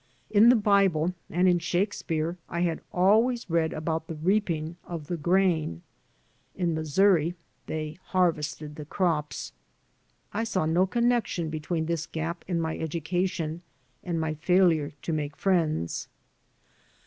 In the Bible and in Shakespeare I had always read about the reaping of the grain; in Missouri they harvested the crops. I saw no connection between this gap in my education and my failure to make friends.